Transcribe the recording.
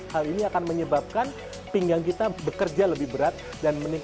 hal ini akan menyebabkan pinggang kita bekerja lebih berat dan meningkat